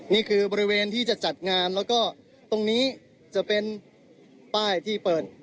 นี่คือบริเวณที่จะจัดงานแล้วก็ตรงนี้จะเป็นป้ายที่เปิด